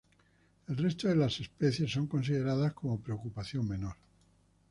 El resto de las especies son consideradas como preocupación menor.